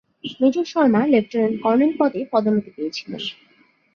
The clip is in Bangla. মেজর শর্মা লেফটেন্যান্ট কর্নেল পদে পদোন্নতি পেয়েছিলেন।